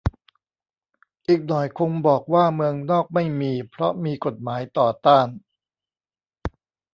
อีกหน่อยคงบอกว่าเมืองนอกไม่มี เพราะมีกฎหมายต่อต้าน